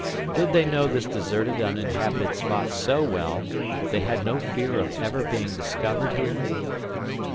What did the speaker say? Did they know this deserted, uninhabited spot so well, that they had no fear of ever being discovered here?